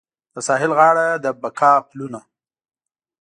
د ساحل غاړه د بقا پلونه